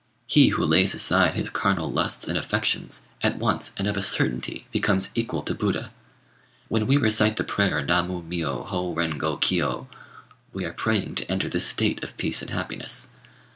He who lays aside his carnal lusts and affections, at once and of a certainty becomes equal to Buddha. When we recite the prayer Na Mu Miyô Hô Ren Go Kiyô, we are praying to enter this state of peace and happiness.